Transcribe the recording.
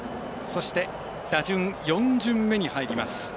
そして、打順４巡目に入ります。